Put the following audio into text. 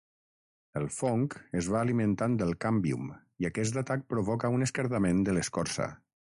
El fong es va alimentant del càmbium i aquest atac provoca un esquerdament de l'escorça.